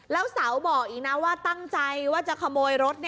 แล้วเสาบอกอีกนะว่าตั้งใจว่าจะขโมยรถ